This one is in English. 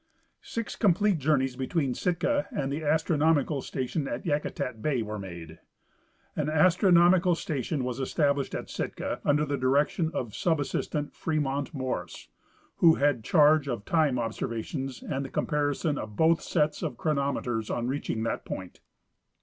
Six complete journeys between Sitka and the astronom ical station at Yakutat bay were made. An astronomical station was established at Sitka under the direction of sub assistant Fremont Morse, wdio had charge of time observations and the comparison of both sets of chronometers on reaching that point.